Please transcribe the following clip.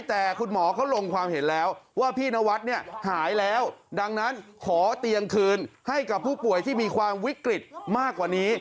แต่คุณหมอเขาลงความเห็นแล้วว่าพี่นวัดเนี่ยหายแล้วดังนั้นขอเตียงคืนให้กับผู้ป่วยที่มีความวิกฤตมากกว่านี้